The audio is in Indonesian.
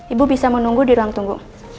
ibu bisa menunggu di ruang tunggu